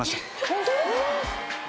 ホントに？